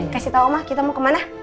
kasih tau mah kita mau kemana